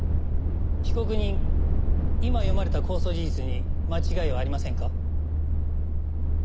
被告人今読まれた公訴事実に間違いはありませんか？